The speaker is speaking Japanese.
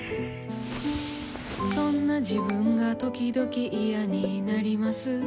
そんな自分がときどき嫌になります。